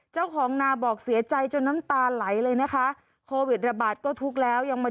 เจ้าของนาบอกเสียใจจนน้ำตาไหลเลยนะคะโควิดระบาดก็ทุกข์แล้วยังมา